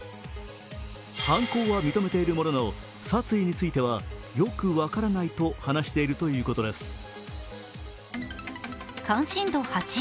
犯行は認めているものの、殺意についてはよく分からないと話しているということです。